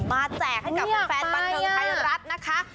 แจกให้กับแฟนบันเทิงไทยรัฐนะคะ